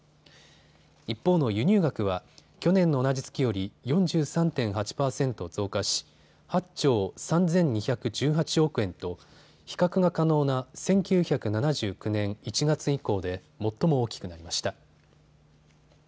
一方の輸入額は去年の同じ月より４３．８％増加し８兆３２１８億円と比較が可能な１９７９年１月以降で最も大きくなりました。